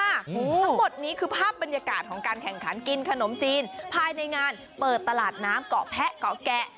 ทั้งหมดนี้คือภาพบรรยากาศของการแข่งขันกินขนมจีนภายในงานเปิดตลาดน้ำเกาะแพะเกาะแกะ